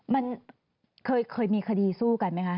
มันเคยมีคดีสู้กันไหมคะ